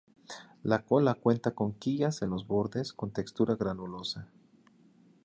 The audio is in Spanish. La cola cuenta con quillas en los bordes, con textura granulosa.